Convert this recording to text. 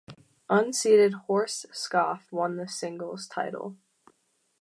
Unseeded Horst Skoff won the singles title.